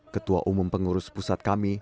ketua umum pengurus pusat kami